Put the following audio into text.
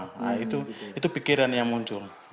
nah itu pikiran yang muncul